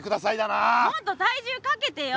もっと体重かけてよ！